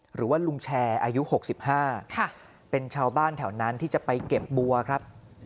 หรือว่าลุงแชร์อายุ๖๕เป็นชาวบ้านแถวนั้นที่จะไปเก็บบัวครับ